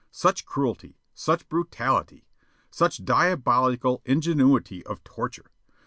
Such cruelty! Such brutality! Such diabolical ingenuity of torture!